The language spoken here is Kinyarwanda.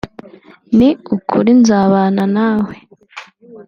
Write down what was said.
“Ni ukuri nzabana nawe